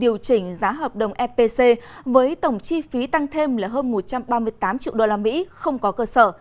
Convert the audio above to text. điều chỉnh giá hợp đồng epc với tổng chi phí tăng thêm là hơn một trăm ba mươi tám triệu đô la mỹ không có cơ sở